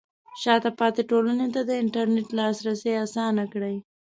شاته پاتې ټولنې ته د انټرنیټ لاسرسی اسانه کړئ.